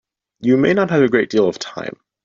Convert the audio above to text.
You may not have a great deal of time.